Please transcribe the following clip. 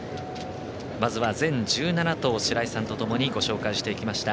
まずは全１７頭白井さんとともにご紹介していきました。